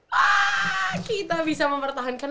wah kita bisa mempertahankan